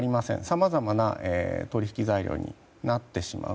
さまざまな取引材料になってしまう。